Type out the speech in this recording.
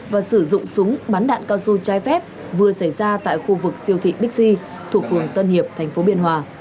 và sử dụng súng bắn đạn cao su trái phép vừa xảy ra tại khu vực siêu thị bixi thuộc vườn tân hiệp thành phố biên hòa